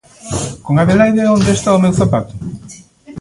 Con Adelaida e Onde está o meu zapato?